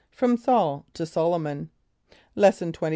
FROM SAUL TO SOLOMON. Lesson XXIII.